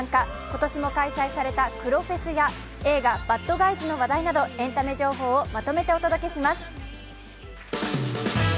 今年も開催された黒フェスや映画「バッドガイズ」の話題などエンタメ情報をまとめてお届けします。